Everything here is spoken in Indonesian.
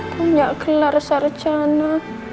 punya gelar sarjana